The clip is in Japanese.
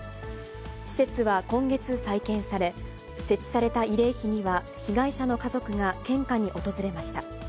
施設は今月、再建され、設置された慰霊碑には、被害者の家族が献花に訪れました。